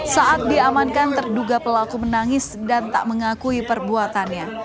saat diamankan terduga pelaku menangis dan tak mengakui perbuatannya